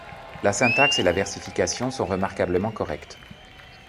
La syntaxe et la versification sont remarquablement correctes.